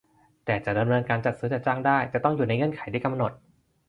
แต่จะดำเนินการจัดซื้อจัดจ้างได้จะต้องอยู่ในเงื่อนไขที่กำหนด